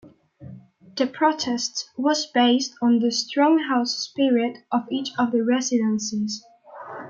The protest was based on the strong house spirit of each of the residences.